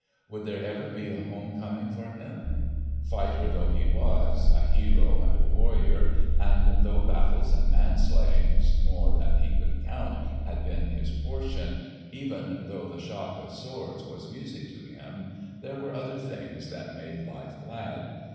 Would there ever be a home coming for him? Fighter though he was, a hero and a warrior, and though battles and man slayings more than he could count had been his portion, even though the shock of swords was music to him, there were other things that made life glad.